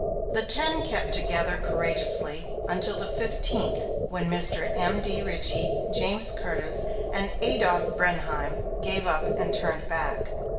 The ten kept together courageously until the fifteenth; then Mr. M.D. Richey, James Curtis, and Adolph Brenheim gave up and turned back.